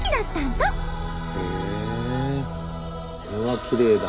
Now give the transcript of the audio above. これはきれいだ。